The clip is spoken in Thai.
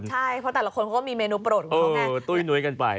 ใช่เพราะแต่ละคนเขามีเมนูโปรดเออตุ้ยหนุ้ยกันไป